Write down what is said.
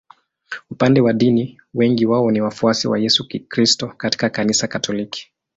Upande wa dini wengi wao ni wafuasi wa Yesu Kristo katika Kanisa Katoliki.